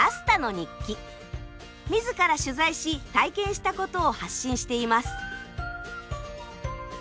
自ら取材し体験したことを発信しています。